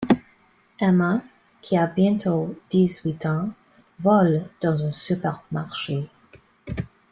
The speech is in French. Emma, qui a bientôt dix-huit ans, vole dans un supermarché.